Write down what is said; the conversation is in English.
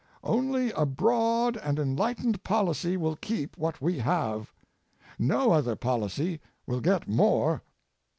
Only a broad and enlightened policy will keep what we have. No other policy will get more.